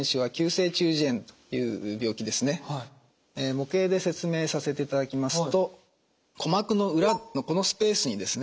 模型で説明させていただきますと鼓膜の裏のこのスペースにですね